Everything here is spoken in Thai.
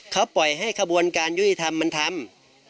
เขาปล่อยให้ขบวนการยุติธรรมมันทำ